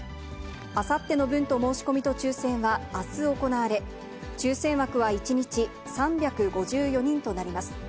あさっての分の申し込みと抽せんはあす行われ、抽せん枠は１日３５４人となります。